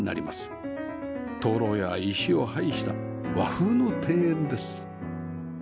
灯籠や石を配した和風の庭園です